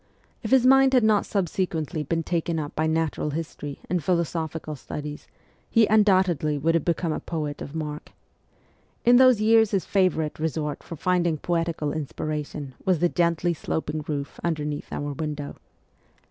If his mind had not subsequently been taken up by natural history and philosophical studies, he undoubtedly would have become a poet of mark. In those years his favourite resort for finding poetical inspiration was the gently sloping roof underneath our window.